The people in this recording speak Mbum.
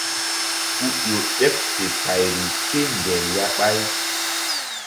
Ku ƴo ɓeɓ fe payri kéŋger ya ɓáy.